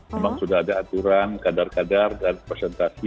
memang sudah ada aturan kadar kadar dan presentasi